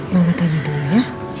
mau gue tanya dulu ya